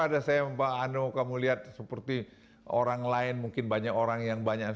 ada saya yang pak ano kamu lihat seperti orang lain mungkin banyak orang yang banyak